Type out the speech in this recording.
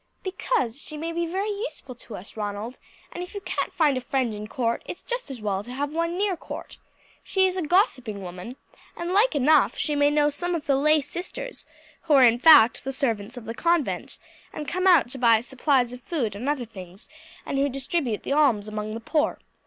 "Because she may be very useful to us, Ronald; and if you can't find a friend in court, it's just as well to have one near court. She is a gossiping woman, and like enough she may know some of the lay sisters, who are, in fact, the servants of the convent, and come out to buy supplies of food and other things, and who distribute the alms among the poor.